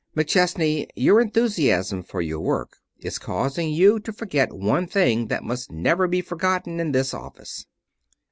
"McChesney, your enthusiasm for your work is causing you to forget one thing that must never be forgotten in this office."